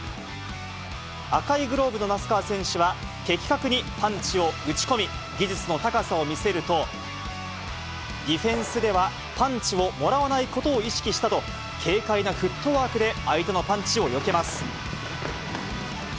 赤いグローブの那須川選手は、的確にパンチを打ち込み、技術の高さを見せると、ディフェンスでは、パンチをもらわないことを意識したと、軽快なフットワークで相手のパンチをよけます。